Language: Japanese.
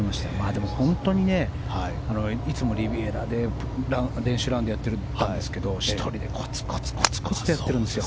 でも本当にね、いつもリビエラで練習ラウンドやってたんですけど１人でコツコツとやっているんですよ。